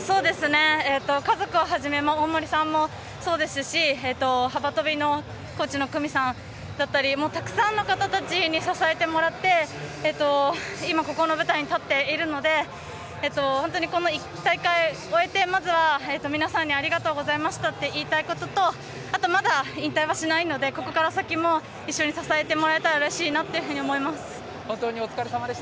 家族をはじめ大森さんもそうですし幅跳びのコーチさんだったりたくさんの方たちに支えてもらって今ここの舞台に立っているので本当にこの大会を終えて皆さんに、ありがとうございましたと言いたいこととまだ引退はしないのでここから先も一緒に支えてもらえたらうれしいなと思います。